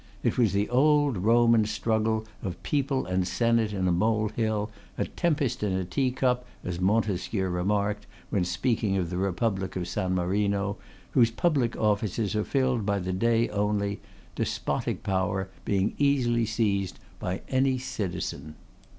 It was the old Roman struggle of people and senate in a molehill, a tempest in a teacup, as Montesquieu remarked when speaking of the Republic of San Marino, whose public offices are filled by the day only, despotic power being easily seized by any citizen.